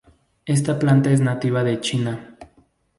Esta planta es nativa de China.